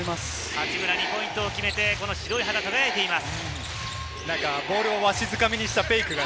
八村が２ポイントを決めて、白い歯が輝いています。